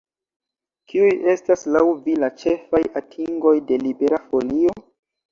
Kiuj estas laŭ vi la ĉefaj atingoj de Libera Folio?